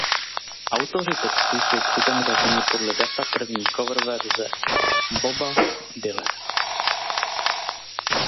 Autoři textů jsou přitom řazeni podle data první coververze Boba Dylana.